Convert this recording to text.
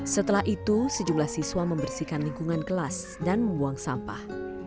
setelah itu sejumlah siswa membersihkan lingkungan kelas dan membuang sampah